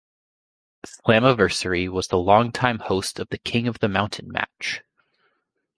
Slammiversary was the longtime host of the King of the Mountain match.